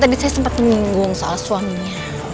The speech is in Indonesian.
tadi saya sempat menyinggung soal suaminya